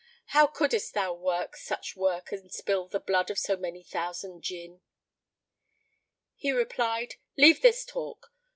How couldest thou work such work and spill the blood of so many thousand Jinn?" He replied, "Leave this talk!